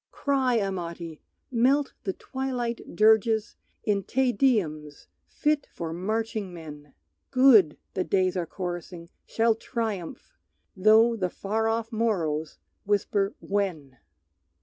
Cry, Amati! Melt the twilight dirges In "Te Deums" fit for marching men! "Good," the days are chorusing, "shall triumph;" Though the far off morrows whisper, "When?"